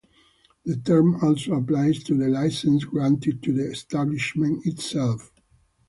The term also applies to the licence granted to the establishment itself.